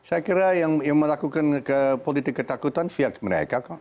saya kira yang melakukan politik ketakutan pihak mereka kok